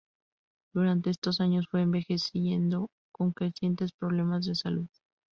Durante estos años fue envejeciendo con crecientes problemas de salud.